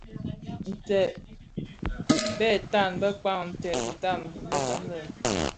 Nted bè tan bëkpan ntèd dhi tan bekan le.